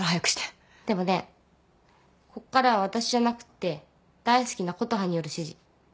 でもねこっからは私じゃなくって大好きな琴葉による指示。